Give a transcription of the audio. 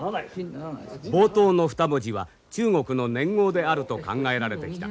冒頭の２文字は中国の年号であると考えられてきた。